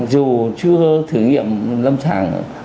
dù chưa thử nghiệm lâm sàng